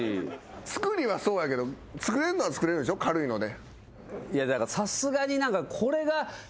作りはそうやけど作れるのは作れるでしょ軽いので。